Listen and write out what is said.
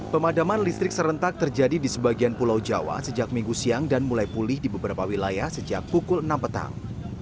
pemadaman listrik serentak terjadi di sebagian pulau jawa sejak minggu siang dan mulai pulih di beberapa wilayah sejak pukul enam petang